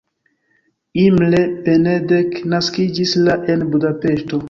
Imre Benedek naskiĝis la en Budapeŝto.